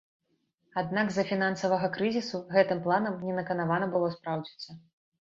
Аднак з-за фінансавага крызісу гэтым планам не наканавана было спраўдзіцца.